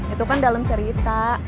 itu kan dalam cerita